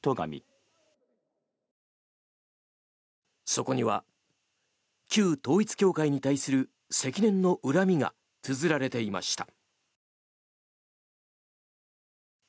そこには旧統一教会に対する積年の恨みがつづられていました。